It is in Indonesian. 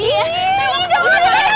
tidak tidak tidak